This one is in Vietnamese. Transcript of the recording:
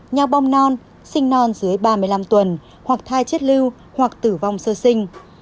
nhau bong non sinh non dưới ba mươi năm tuần hoặc thai chết lưu hoặc tử vong sơ sinh